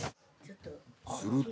すると。